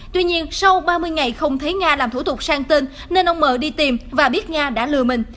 tuy nhiên sau ba mươi ngày không thấy nga làm thủ tục sang tên nên ông m đi tìm và biết nga đã lừa mình